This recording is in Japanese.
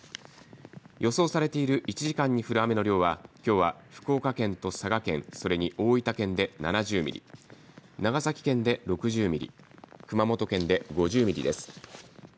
予想されている１時間に降る雨の量はきょうは福岡県と佐賀県、それに大分県で７０ミリ、長崎県で６０ミリ、熊本県で５０ミリです。